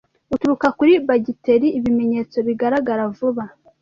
Uturuka kuri bagiteri, ibimenyetso bigaragara vuba